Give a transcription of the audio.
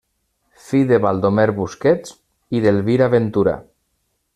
Fill de Baldomer Busquets i d’Elvira Ventura.